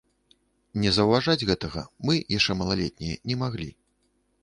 Не заўважаць гэтага мы, яшчэ малалетнія, не маглі.